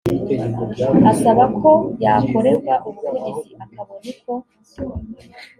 asaba ko yakorerwa ubuvugizi akabona uko